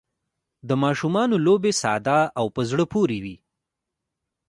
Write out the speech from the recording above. د ماشومانو لوبې ساده او په زړه پورې وي.